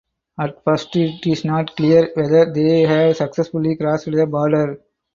At first it is not clear whether they have successfully crossed the border.